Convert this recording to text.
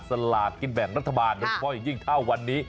สลากกินแบ่งรัฐบาลโดยเฉพาะอย่างยิ่งถ้าวันนี้